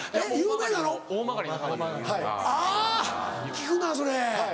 聞くなぁそれ。